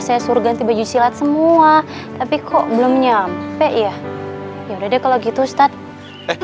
saya suruh ganti baju silat semua tapi kok belum nyampe ya yaudah deh kalau gitu ustadz